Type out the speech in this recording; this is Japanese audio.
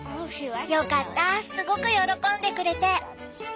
よかったすごく喜んでくれて！